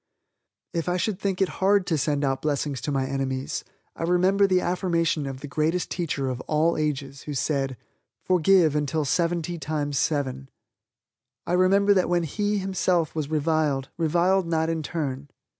If I should think it hard to send out blessings to my enemies, I remember the affirmation of the Greatest Teacher of all ages Who said, "Forgive until seventy times seven." I remember that when He, Himself, was reviled, reviled not in turn.